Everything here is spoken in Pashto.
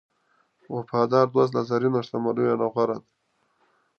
وفادار دوست له زرینو شتمنیو نه غوره دی.